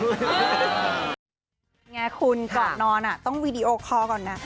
นี่ไงคุณก่อนนอนต้องวีดีโอคอร์ก่อนนะ